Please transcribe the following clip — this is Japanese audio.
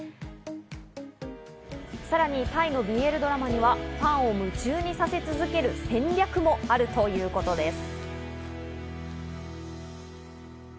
さらにタイのＢＬドラマにはファンを夢中にさせ続ける戦略もあるということです。